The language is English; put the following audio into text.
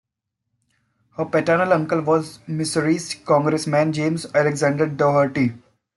Her paternal uncle was Missouri Congressman James Alexander Daugherty.